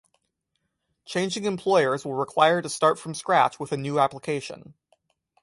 Changing employers will require to start from scratch with a new application.